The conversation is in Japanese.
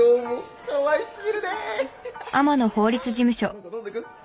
何か飲んでく？